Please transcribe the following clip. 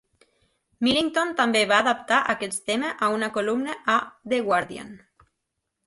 Millington també va adaptar aquest tema a una columna a "The Guardian".